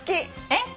えっ？